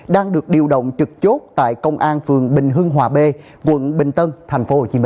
đang được điều động trực chốt tại công an phường bình hưng hòa b quận bình tân tp hcm